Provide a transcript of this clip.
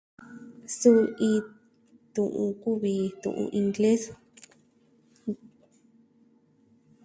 Suu iin tu'un kuvi tu'un ingles.